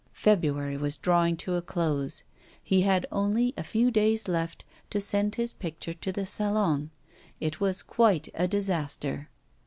February was drawing to a close; he had only a few days left to send his picture to the Salon; it was quite a disaster.